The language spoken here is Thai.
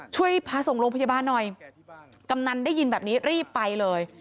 ช่วยพาส่งโรงพยาบาลหน่อยกำนันได้ยินแบบนี้รีบไปเลย